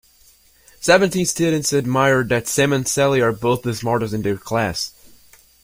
Seventeen students admired that Sam and Sally are both the smartest in their class.